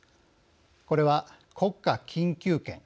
これは「国家緊急権」